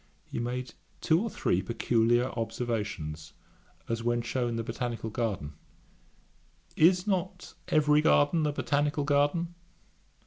He made two or three peculiar observations; as when shewn the botanical garden, 'Is not every garden a botanical garden?'